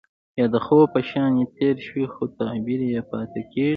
يا د خوب په شانې تير شي خو تعبير يې پاتې کيږي.